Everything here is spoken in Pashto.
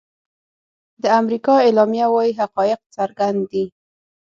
د امریکا اعلامیه وايي حقایق څرګند دي.